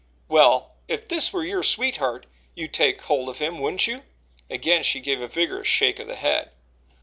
"Well, if this were your sweetheart you'd take hold of him, wouldn't you?" Again she gave a vigorous shake of the head.